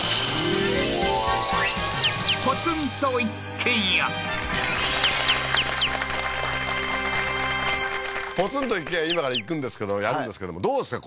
今夜もポツンと一軒家今から行くんですけどやるんですけどもどうですか？